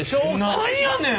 何やねん！